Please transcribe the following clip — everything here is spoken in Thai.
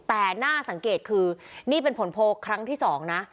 แต่น่าสังเกตคือนี่เป็นผลโพลครั้งที่๒นะ